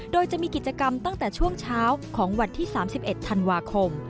โดยจะมีกิจกรรมตั้งแต่ช่วงเช้าของวันที่๓๑ธันวาคม